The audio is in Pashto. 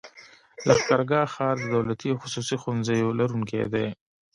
لښکرګاه ښار د دولتي او خصوصي ښوونځيو لرونکی دی.